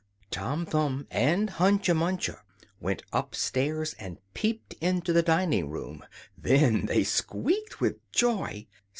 Tom Thumb and Hunca Munca went upstairs and peeped into the dining room. Then they squeaked with joy!